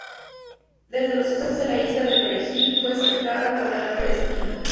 Desde los sucesos de la isla de Perejil, fue cercada con alambre de espino.